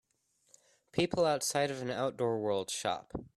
People outside of an Outdoor World shop.